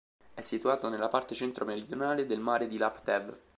È situata nella parte centro-meridionale del mare di Laptev.